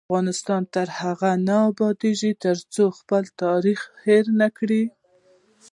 افغانستان تر هغو نه ابادیږي، ترڅو خپل تاریخ هیر نکړو.